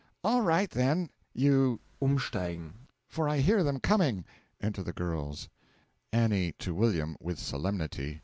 All right, then, you umsteigen for I hear them coming. Enter the girls. A. to W. (With solemnity.)